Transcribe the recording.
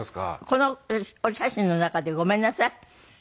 このお写真の中でごめんなさい。